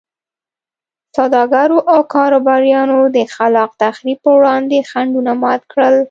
سوداګرو او کاروباریانو د خلاق تخریب پر وړاندې خنډونه مات کړل.